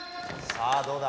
さあどうだ？